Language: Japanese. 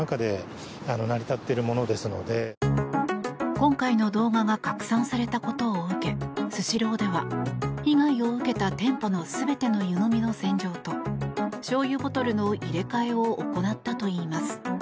今回の動画が拡散されたことを受けスシローでは被害を受けた店舗の全ての湯飲みの洗浄としょうゆボトルの入れ替えを行ったといいます。